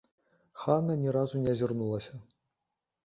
Хана ні разу не азірнулася.